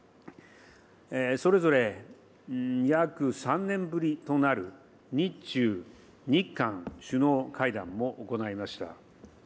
それぞれ約３年ぶりとなる日中、日韓首脳会談も行いました。